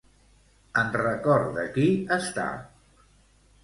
En record de qui està?